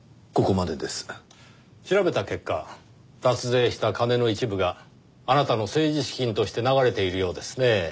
調べた結果脱税した金の一部があなたの政治資金として流れているようですねぇ。